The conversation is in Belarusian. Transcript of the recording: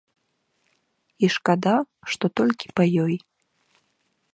І шкада, што толькі па ёй.